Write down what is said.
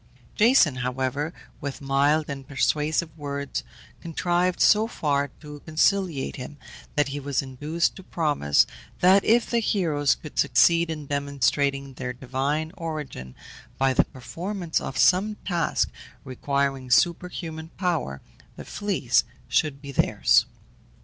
Jason, however, with mild and persuasive words, contrived so far to conciliate him, that he was induced to promise that if the heroes could succeed in demonstrating their divine origin by the performance of some task requiring superhuman power, the Fleece should be theirs.